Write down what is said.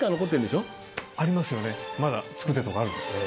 まだ造ってるとこあるんです。